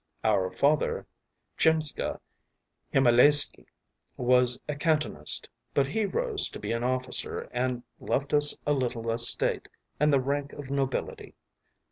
Our father, Tchimsha Himalaisky, was a kantonist, but he rose to be an officer and left us a little estate and the rank of nobility.